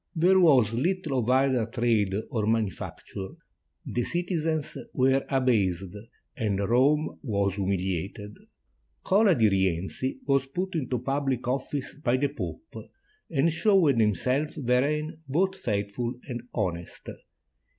There was little of either trade or manufac ture. The citizens were abased, and Rome was humiliated. Cola di Rienzi was put into public office by the Pope, and showed himself therein both faithful and honest.